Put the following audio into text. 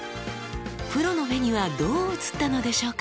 プロの目にはどう映ったのでしょうか？